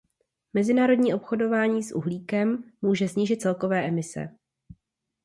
Mezinárodní obchodování s uhlíkem může snížit celkové emise.